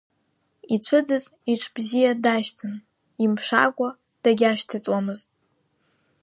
Ицәыӡыз иҽы бзиа дашьҭан, имԥшаакәа дагьашьҭыҵуамызт.